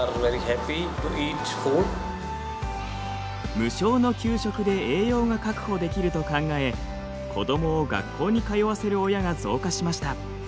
無償の給食で栄養が確保できると考え子どもを学校に通わせる親が増加しました。